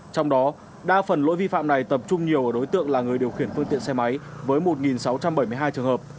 trong đó đa phần lỗi vi phạm này tập trung nhiều ở đối tượng là người điều khiển phương tiện xe máy với một sáu trăm bảy mươi hai trường hợp